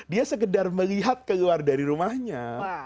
dia sekedar melihat keluar dari rumahnya